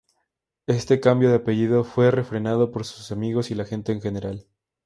Este cambio de apellido fue refrendado por sus amigos y la gente en general.